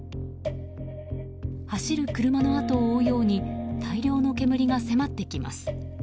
走る車のあとを追うように大量の煙が迫ってきます。